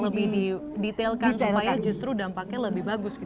lebih didetailkan supaya justru dampaknya lebih bagus